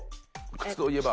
靴といえば。